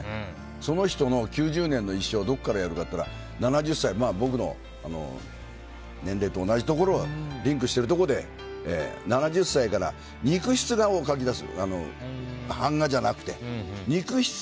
その人の９０年の一生をどこからやるかといったら７０歳、僕の年齢と同じところリンクしてるところで７０歳から肉筆画を描きだす。